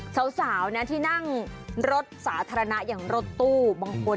สาวนะที่นั่งรถสาธารณะอย่างรถตู้บางคน